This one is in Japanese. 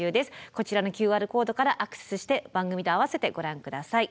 こちらのＱＲコードからアクセスして番組と併せてご覧下さい。